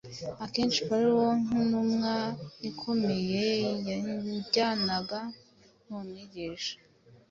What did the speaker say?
Akenshi Pawulo nk’intumwa ikomeye yajyanaga n’uwo mwigisha